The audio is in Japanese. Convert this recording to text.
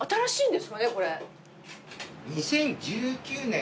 ２０１９年。